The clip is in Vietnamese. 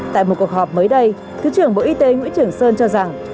tại một cuộc họp mới đây thứ trưởng bộ y tế nguyễn trường sơn cho rằng